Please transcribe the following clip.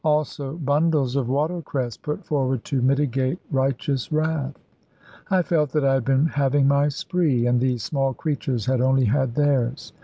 Also bundles of water cress put forward to mitigate righteous wrath. I felt that I had been having my spree, and these small creatures had only had theirs.